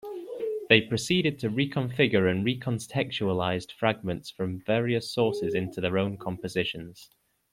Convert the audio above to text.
They proceeded to reconfigure and recontextualize fragments from various sources into their own compositions.